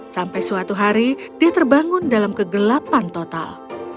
sampai suatu hari dia terbangun dalam kegelapan total